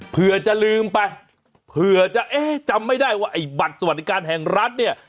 เผื่อจะลืมไปเผื่อจะเอ๊ะจำไม่ได้ว่าไอ้บัตรสวัสดิการแห่งรัฐเนี่ย